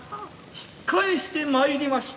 引っ返して参りました。